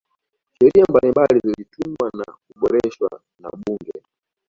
sheria mbalimbali zilitungwa na kuboreshwa na bunge